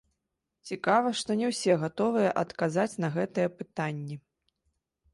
Цікава, што не ўсе гатовыя адказаць на гэтыя пытанні.